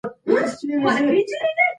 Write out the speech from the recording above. دا د طبیعت یو لوی حکمت دی.